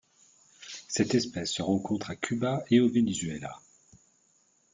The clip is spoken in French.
Cette espèce se rencontre à Cuba et au Venezuela.